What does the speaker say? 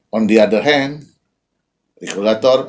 regulator juga perlu berpengaruh